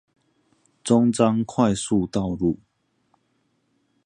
中彰快速道路